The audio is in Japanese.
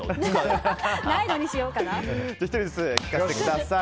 １人ずつ聞かせてください。